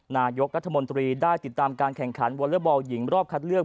นายกรัฐมนตรีได้ติดตามการแข่งขันวอเลอร์บอลหญิงรอบคัดเลือก